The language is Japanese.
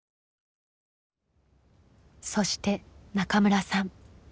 そして中村さん。